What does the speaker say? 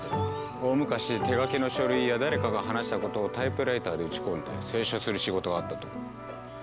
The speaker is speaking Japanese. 大昔手書きの書類や誰かが話したことをタイプライターで打ち込んで清書する仕事があったという。